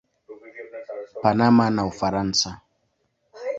Panama na Ufaransa.